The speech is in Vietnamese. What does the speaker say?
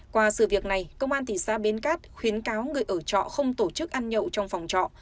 qua sự việc này công an thị xã bến cát khuyến cáo người ở trọ không tổ chức ăn nhậu trong phòng trọ